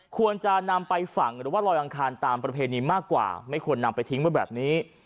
ควรจะนำไปฝังหรือว่าลอยอังคารตามประเพณีมากกว่าไม่ควรนำไปทิ้งไว้แบบนี้